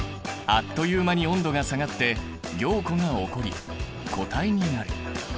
あっという間に温度が下がって凝固が起こり固体になる。